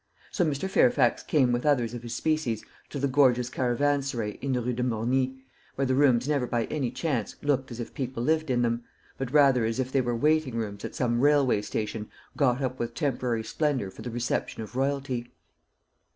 So Mr. Fairfax came with others of his species to the gorgeous caravanserai in the Rue de Morny, where the rooms never by any chance looked as if people lived in them, but rather as if they were waiting rooms at some railway station got up with temporary splendour for the reception of royalty.